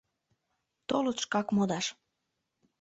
Толыт шкак модаш.